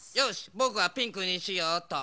ぼくはピンクにしようっと。